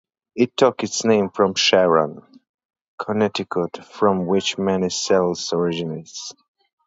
It took its name from Sharon, Connecticut, from which many settlers originated.